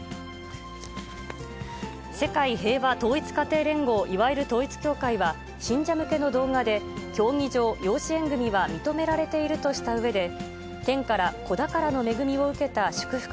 世界平和統一家庭連合、いわゆる統一教会は、信者向けの動画で、教義上、養子縁組は認められているとしたうえで、天から子宝の恵みを受けた祝福